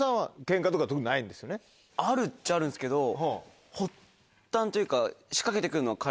あるっちゃあるんですけど発端というか。